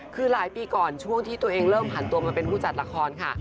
คือหลายปีก่อนช่วงที่ตัวเองเริ่มผ่านตัวมาเป็นผู้จัดละครค่ะ